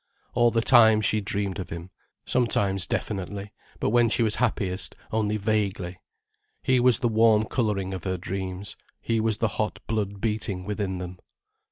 All the time, she dreamed of him, sometimes definitely, but when she was happiest, only vaguely. He was the warm colouring of her dreams, he was the hot blood beating within them.